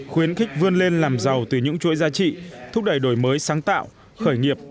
khuyến khích vươn lên làm giàu từ những chuỗi giá trị thúc đẩy đổi mới sáng tạo khởi nghiệp